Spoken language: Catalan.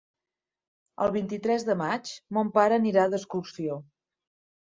El vint-i-tres de maig mon pare anirà d'excursió.